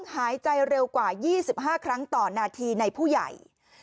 หายใจเร็วกว่า๒๕ครั้งต่อนาทีในผู้ใหญ่